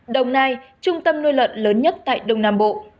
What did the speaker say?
đồng nai trung tâm nuôi lợn lớn nhất tại đông nam bộ